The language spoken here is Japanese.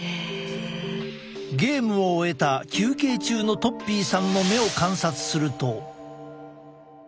ゲームを終えた休憩中のとっぴーさんの目を観察すると。